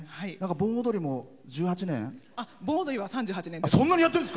盆踊りは３８年です。